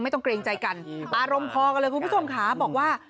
ไม่ต้องเกรงใจกันอารมณ์พอกันเลยคุณพี่สมขาบอกว่า